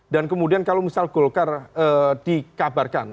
dan kemudian kalau misal golkar dikabarkan